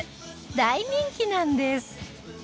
大人気なんです